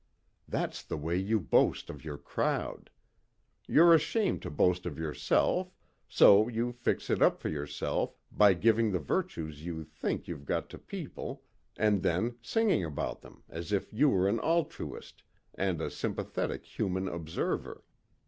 That's the way you boast of your crowd. You're ashamed to boast of yourself so you fix it up for yourself by giving the virtues you think you've got to people and then singing about them as if you were an altruist and a sympathetic human observer.